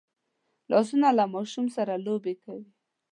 لاسونه له ماشوم سره لوبې کوي